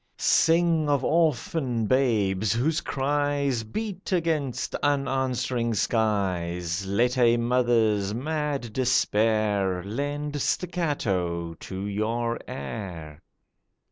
Sing of orphan babes, whose cries Beat against unanswering skies; Let a mother's mad despair Lend staccato to your air.